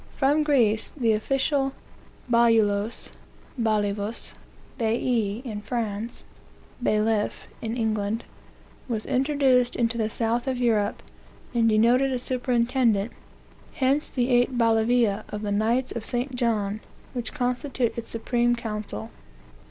From Greece, the official bajulos (ballivus, bailli, in France; bailiff, in England,) was introduced into the south of Europe, and denoted a superintendent; hence the eight ballivi of the knights of St. John, which constitute its supreme council.